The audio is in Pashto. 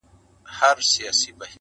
شرم پر حقيقت غالب کيږي تل,